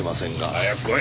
早く来い！